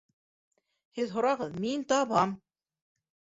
Һеҙ һорағыҙ, мин табам!